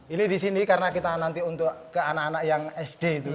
ini di sini karena kita nanti untuk ke anak anak yang sd itu